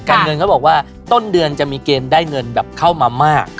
เงินเขาบอกว่าต้นเดือนจะมีเกณฑ์ได้เงินแบบเข้ามามาก